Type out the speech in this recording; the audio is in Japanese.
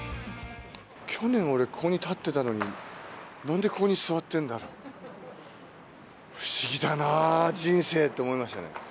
去年、俺、ここに立ってたのに、なんでここに座ってるんだろうと、不思議だなー、人生と思いましたね。